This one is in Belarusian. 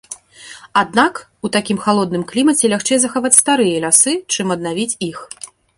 Аднак, у такім халодным клімаце лягчэй захаваць старыя лясы, чым аднавіць іх.